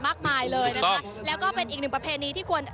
มากมายเลยนะคะแล้วก็เป็นอีกหนึ่งประเพณีที่ควร